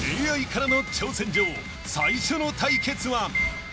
［ＡＩからの挑戦状最初の対決は］